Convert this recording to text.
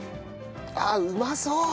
あっうまそう！